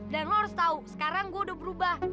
dan lu harus tahu sekarang gue udah berubah